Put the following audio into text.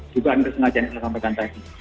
dugaan kesengajaan yang saya sampaikan tadi